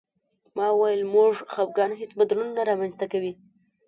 ما وویل زموږ خپګان هېڅ بدلون نه رامنځته کوي